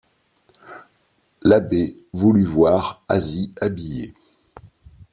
L’abbé voulut voir Asie habillée.